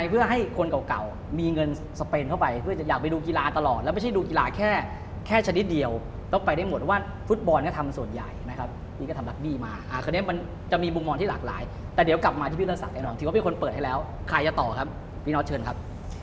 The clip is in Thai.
จากนี้นั้นเรามาพิมทร์อาจารย์ที่ฟิวสร้างแด่หน่วงติว่าไม่ค่อยเปิดให้แล้วใครจะต่อครับปีนออทเชิญครับ